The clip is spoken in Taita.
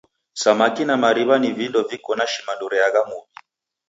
Samaki na mariw'a ni vindo viko na shimandu reagha muw'i.